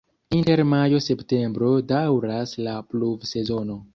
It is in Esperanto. Inter majo-septembro daŭras la pluvsezono.